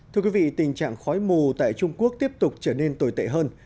thưa quý vị tình trạng khói mù tại trung quốc tiếp tục trở nên tồi tệ hơn